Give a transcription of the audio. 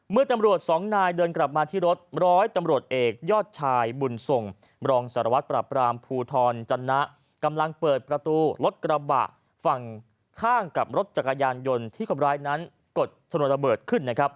ตำรวจสองนายเดินกลับมาที่รถร้อยตำรวจเอกยอดชายบุญส่งรองสารวัตรปราบรามภูทรจันนะกำลังเปิดประตูรถกระบะฝั่งข้างกับรถจักรยานยนต์ที่คนร้ายนั้นกดชนวนระเบิดขึ้นนะครับ